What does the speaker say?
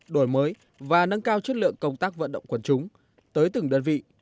đổi mới và nâng cao chất lượng công tác vận động quân chúng tới từng đơn vị